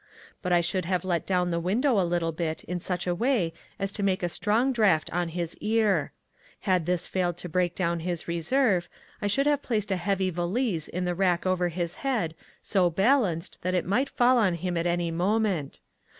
But I should have let down the window a little bit in such a way as to make a strong draught on his ear. Had this failed to break down his reserve I should have placed a heavy valise in the rack over his head so balanced that it might fall on him at any moment.